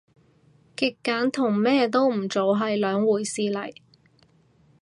極簡同咩都唔做係兩回事嚟